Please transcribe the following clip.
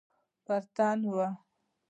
پر تن وه.